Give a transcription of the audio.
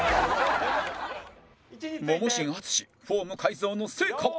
モモ神淳フォーム改造の成果は？